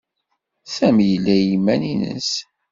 Sami yella i yiman-nnes.